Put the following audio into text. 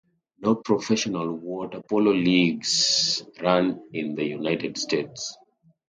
No professional water polo leagues run in the United States.